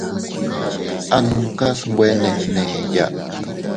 A numkas nwe ne fgneya.